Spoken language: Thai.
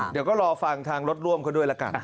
เดี๋ยวก็รอฟังทางรถร่วมเขาด้วยละกัน